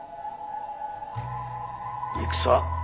戦？